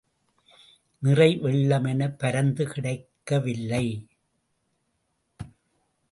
நிறை வெள்ளமென பரந்து கிடக்கவில்லை.